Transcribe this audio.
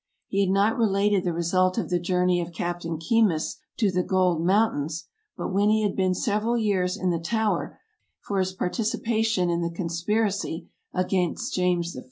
He had not related the result of the journey of Captain Keymis to the '' gold moun tains," but when he had been several years in the Tower, for his participation in the conspiracy against James I.